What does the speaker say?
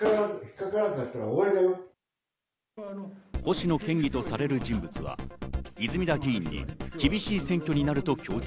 星野県議とされる人物は泉田議員に厳しい選挙になると強調。